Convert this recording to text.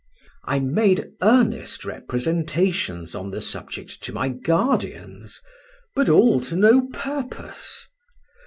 I made earnest representations on the subject to my guardians, but all to no purpose.